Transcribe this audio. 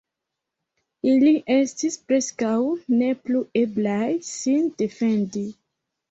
Ili estis preskaŭ ne plu eblaj sin defendi.